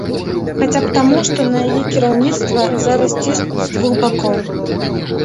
Хаця б таму, што на яе кіраўніцтва зараз ціснуць з двух бакоў.